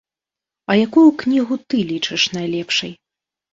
А якую кнігу ты лічыш найлепшай?